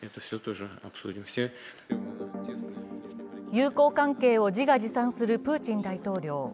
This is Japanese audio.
友好関係を自画自賛するプーチン大統領